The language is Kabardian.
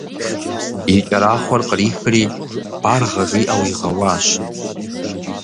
И кӏэрахъуэр кърихри «баргъэ» жиӏэу игъэуащ.